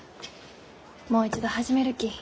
もう一度始めるき。